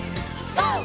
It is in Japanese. ＧＯ！